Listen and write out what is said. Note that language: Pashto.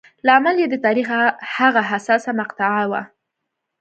لامل یې د تاریخ هغه حساسه مقطعه وه.